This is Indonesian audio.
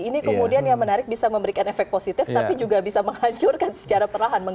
ini kemudian yang menarik bisa memberikan efek positif tapi juga bisa menghancurkan secara perlahan